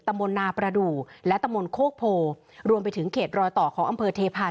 มนต์นาประดูกและตำบลโคกโพรวมไปถึงเขตรอยต่อของอำเภอเทพาะ